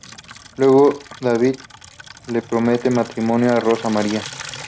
Luego David le propone matrimonio a Rosa María.